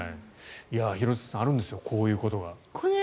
廣津留さん、あるんですよこういうことが。